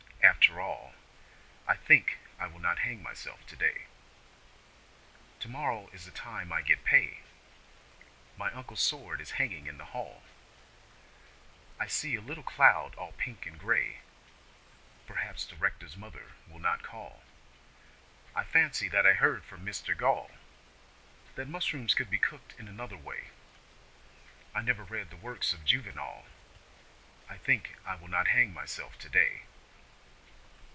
. After all I think I will not hang myself today. Tomorrow is the time I get my pay My uncle's sword is hanging in the hall I see a little cloud all pink and grey Perhaps the Rector's mother will not call I fancy that I heard from Mr Gall That mushrooms could be cooked another way I never read the works of Juvenal I think I will not hang myself today.